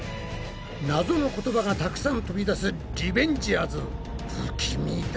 ナゾの言葉がたくさん飛び出すリベンジャーズ不気味だ。